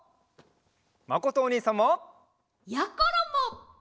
まことおにいさんも！やころも！